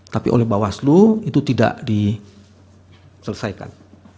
tapi oleh bawaslu itu tidak diselesaikan